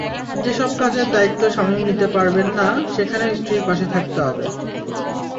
যেসব কাজের দায়িত্ব স্বামী নিতে পারবেন না, সেখানেও স্ত্রীর পাশে থাকতে হবে।